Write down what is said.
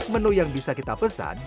menu yang bisa kita pesan